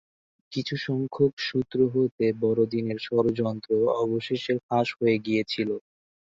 কিছু সংখ্যক সুত্র হতে বড়দিনের ষড়যন্ত্র অবশেষে ফাঁস হয়ে গিয়েছিল।